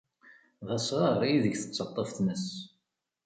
D asɣar ideg tettaṭṭaf tmes